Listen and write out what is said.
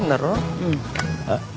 うん。あっ？